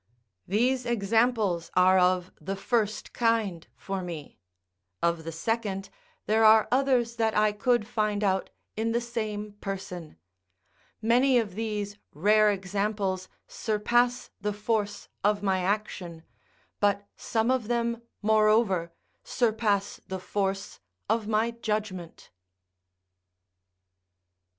These examples are of the first kind for me; of the second, there are others that I could find out in the same person: many of these rare examples surpass the force of my action, but some of them, moreover, surpass the force of my judgment.